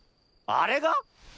あれが！？